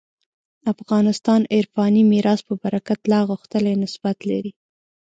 افغانستان عرفاني میراث په برکت لا غښتلی نسبت لري.